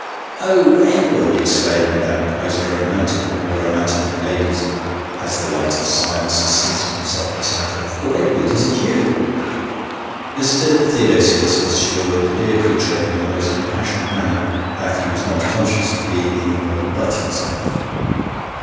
" Oh, Edward !" exclaimed that most romantic of all romantic young ladies, as the light of science seated himself beside her, " Oh, Edward, is it you ?" Mr. Theodosius assured the dear creature, in the most impassioned manner, that he was not conscious of being anybody but himself.